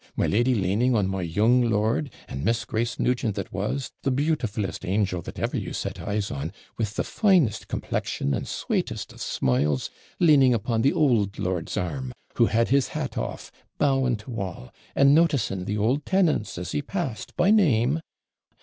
My lady LANING on my young lord, and Miss Grace Nugent that was, the beautifullest angel that ever you set eyes on, with the finest complexion and sweetest of smiles, LANING upon the ould lord's arm, who had his hat off, bowing to all, and noticing the old tenants as he passed by name.